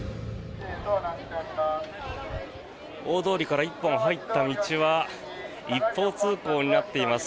大通りから１本入った道は一方通行になっています。